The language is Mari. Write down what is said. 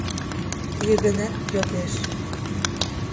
— Йыгынат йодеш.